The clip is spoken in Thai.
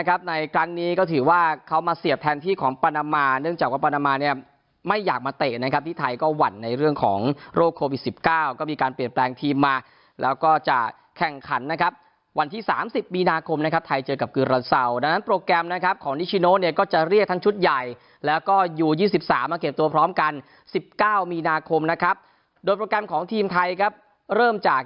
นะครับในครั้งนี้ก็ถือว่าเขามาเสียบแทนที่ของปานามาเนื่องจากว่าปานามาเนี่ยไม่อยากมาเตะนะครับที่ไทยก็หวั่นในเรื่องของโรคโควิดสิบเก้าก็มีการเปลี่ยนแปลงทีมมาแล้วก็จะแข่งขันนะครับวันที่สามสิบมีนาคมนะครับไทยเจอกับกราซาวดังนั้นโปรแกรมนะครับของนิชชิโน้นเนี่ยก็จะเรียกทั้งชุดใหญ่แล้วก็อยู่ยี่